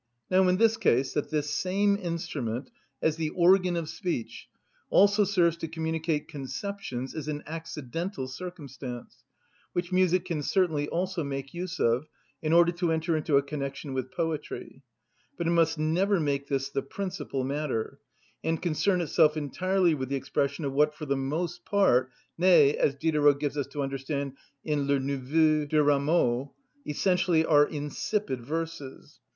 Now, in this case, that this same instrument, as the organ of speech, also serves to communicate conceptions is an accidental circumstance, which music can certainly also make use of, in order to enter into a connection with poetry; but it must never make this the principal matter, and concern itself entirely with the expression of what for the most part, nay (as Diderot gives us to understand in Le Neveu de Rameau), essentially are insipid verses.